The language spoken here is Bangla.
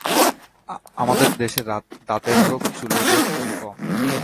আমাদের দেশে দাঁতের রোগ, চুলের রোগ খুব কম।